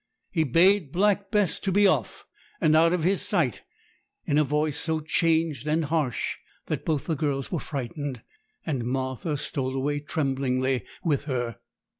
He bade Black Bess to be off out of his sight in a voice so changed and harsh, that both the girls were frightened, and Martha stole away tremblingly with her.